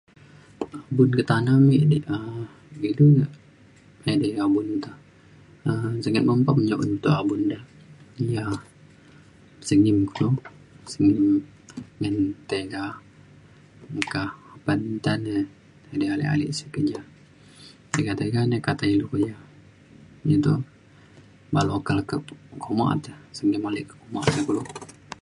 Abun ka tana me de um be du edei abun ka um singget mempam un abun da ja ia sengim kulu sengim ngan tega meka. ban ta de edei ale ale sik ke ja tiga tiga na kata ilu keja. Iu toh baluk oka le ke omak te. sengim ale te ke omak te kulu